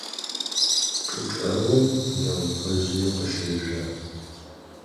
ЧӀы чӀэгъым лэгъупэжъые къыщэжъо.